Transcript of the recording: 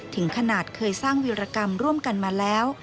ถึงขนาดเคยสร้างวิรกรรมร่วมกันมาแล้ว